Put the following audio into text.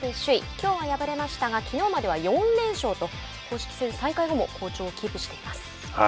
きょうは敗れましたがきのうまでは４連勝と公式戦再開後も好調をキープしています。